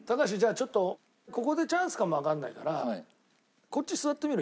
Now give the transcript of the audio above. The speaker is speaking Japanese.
ちょっとここでチャンスかもわかんないからこっち座ってみる？